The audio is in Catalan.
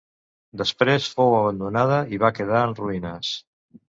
Després fou abandonada i va quedar en ruïnes.